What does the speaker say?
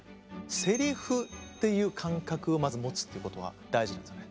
セリフという感覚をまず持つということは大事なんですよね。